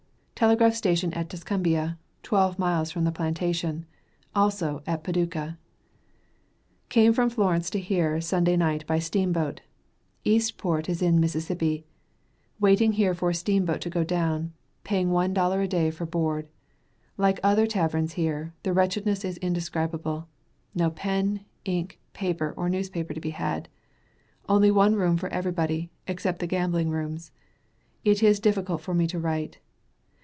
Telegraph station at Tuscumbia, twelve miles from the plantation, also at Paducah. Came from Florence to here Sunday night by steamboat. Eastport is in Mississippi. Waiting here for a steamboat to go down; paying one dollar a day for board. Like other taverns here, the wretchedness is indescribable; no pen, ink, paper or newspaper to be had; only one room for everybody, except the gambling rooms. It is difficult for me to write.